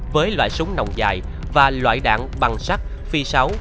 với loại súng nồng dài và loại đạn bằng sắt phi sáu